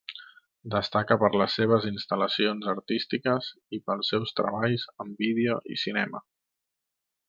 Destaca per les seues instal·lacions artístiques i pels seus treballs amb vídeo i cinema.